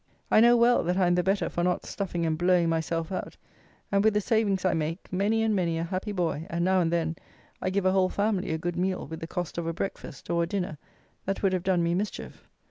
I know well, that I am the better for not stuffing and blowing myself out, and with the savings I make many and many a happy boy; and, now and then, I give a whole family a good meal with the cost of a breakfast, or a dinner, that would have done me mischief.